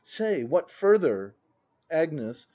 ] Say, what further! Agnes.